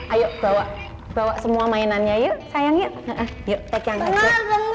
ayo bawa bawa semua mainannya yuk sayangnya yuk tegang aja